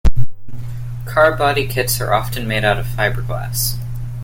Car body kits are often made out of fiberglass.